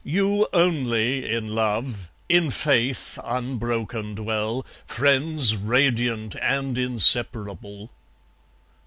You only In love, in faith unbroken dwell, Friends radiant and inseparable!"